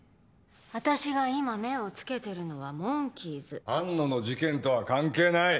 私が今目をつけてるのはモンキーズ安野の事件とは関係ない！